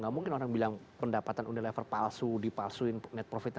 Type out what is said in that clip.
nggak mungkin orang bilang pendapatan unilever palsu dipalsuin net profitnya